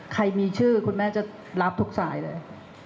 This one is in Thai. ใครมีชื่อคุณแม่จะรับทุกสายเลย